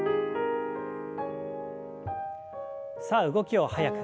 さあ動きを早く。